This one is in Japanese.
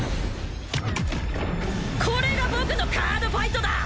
これが僕のカードファイトだ！